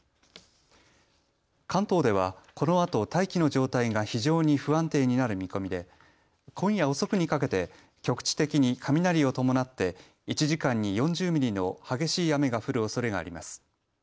関東では、このあと大気の状態が非常に不安定になる見込みで今夜遅くにかけて局地的に雷を伴って１時間に４０ミリの激しい雨が降るおそれがあります。